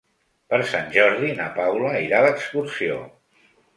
Per Sant Jordi na Paula irà d'excursió.